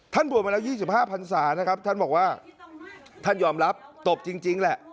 บวชมาแล้ว๒๕พันศานะครับท่านบอกว่าท่านยอมรับตบจริงแหละ